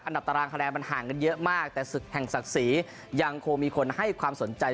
ตารางคะแนนมันห่างกันเยอะมากแต่ศึกแห่งศักดิ์ศรียังคงมีคนให้ความสนใจ